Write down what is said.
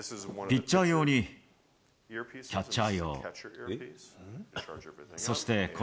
ピッチャー用に、キャッチャー用。